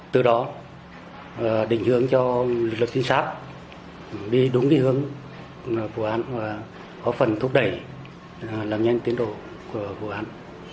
từ đó định hướng cho lực lượng chính xác đi đúng hướng vụ án và có phần thúc đẩy làm nhanh tiến đổi của vụ án